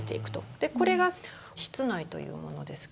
でこれが「室内」というものですけれど。